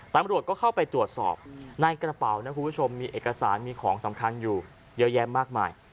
ตำรวจก็เข้าไปตรวจสอบในกระเป๋านะคุณผู้ชมมีเอกสารมีของสำคัญอยู่เยอะแยะมากมาย